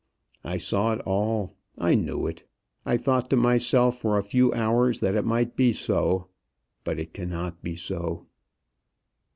I saw it all, I knew it. I thought to myself for a few hours that it might be so. But it cannot be so."